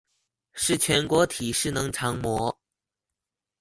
是全國體適能常模